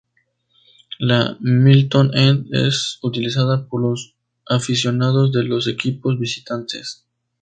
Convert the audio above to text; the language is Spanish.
La Milton End es utiliza por los aficionados de los equipos visitantes.